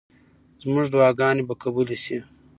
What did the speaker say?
زموږ دعاګانې به قبولې شي.